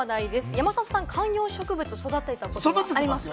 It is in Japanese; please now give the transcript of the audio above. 山里さん、観葉植物、育てたことはありますか？